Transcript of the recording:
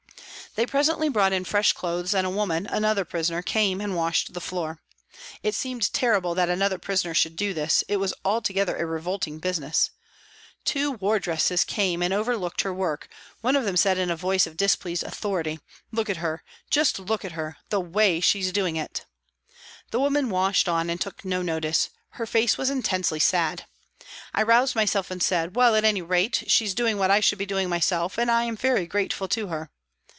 They presently brought in fresh clothes, and a woman, another prisoner, came and washed the floor. It seemed terrible that another prisoner should do this, it was altogether a revolting business. Two wardresses came and over looked her work, one of them said, in a voice of displeased authority :" Look at her ! Just look at her ! The way she's doing it !" The woman washed on and took no notice ; her face was intensely sad. I roused myself and said, " Well, at any rate, she's doing what I should be doing myself and I am very grateful to her."